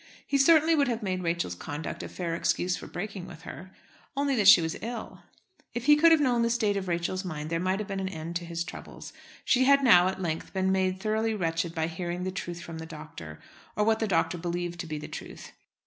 He certainly would have made Rachel's conduct a fair excuse for breaking with her, only that she was ill. If he could have known the state of Rachel's mind there might have been an end to his troubles. She had now, at length, been made thoroughly wretched by hearing the truth from the doctor, or what the doctor believed to be the truth.